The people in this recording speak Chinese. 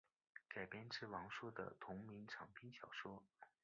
改编自王朔的同名长篇小说。